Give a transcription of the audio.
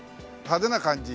派手な感じ。